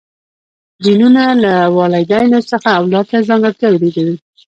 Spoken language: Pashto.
جینونه له والدینو څخه اولاد ته ځانګړتیاوې لیږدوي